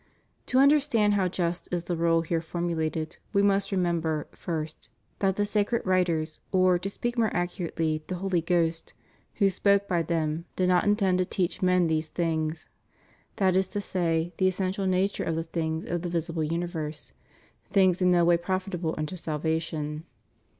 ' To understand how just is the rule here formu lated we must remember, first, that the sacred writers, or, to speak more accurately, the Holy Ghost "who spoke by them, did not intend to teach men these things (that is to say, the essential nature of the things of the visible universe), things in no way profitable unto salvation."